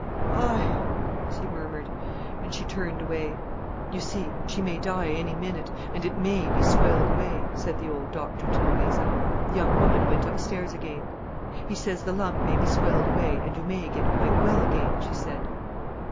"Ay!" she murmured, and she turned away. "You see, she may die any minute—and it may be swaled away," said the old doctor to Louisa. The young woman went upstairs again. "He says the lump may be swaled away, and you may get quite well again," she said.